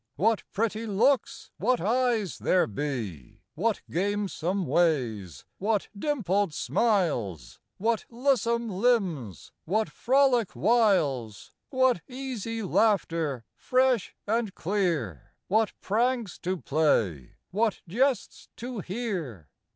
What pretty looks, what eyes there be ; What gamesome ways ; what dimpled smiles ; What lissome limbs ; what frolic wiles ; What easy laughter, fresh and clear ; What pranks to play ; what jests to hear